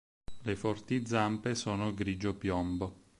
Le forti zampe sono grigio piombo.